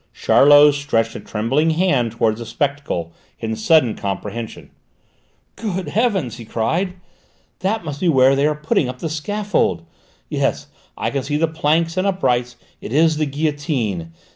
Charlot stretched a trembling hand towards the spectacle, in sudden comprehension. "Good heavens!" he cried, "that must be where they are putting up the scaffold. Yes, I can see the planks and uprights; it is the guillotine!